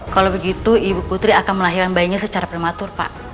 kalau begitu ibu putri akan melahirkan bayinya secara prematur pak